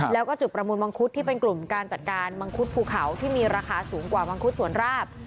แล้วก็จุดประมูลมังคุดที่เป็นกลุ่มการจัดการมังคุดภูเขาที่มีราคาสูงกว่ามังคุดสวนราบ